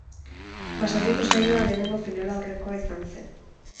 Basauriko saioa lehenengo finalaurrekoa izan zen.